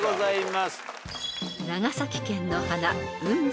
［長崎県の花］